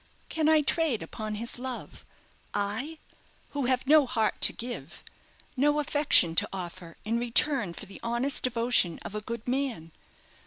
Can I trade upon his love? I who have no heart to give, no affection to offer in return for the honest devotion of a good man?